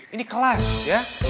ini kelas ya